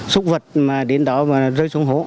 súc vật mà đến đó rơi xuống hố